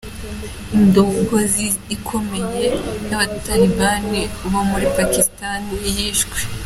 Indongozi ikomeye y'abatalibani bo muri Pakistani yishwe.